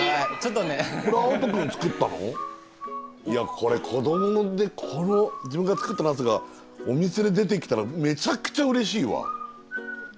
これ子どもで自分が作ったナスがお店で出てきたらめちゃくちゃうれしいわ。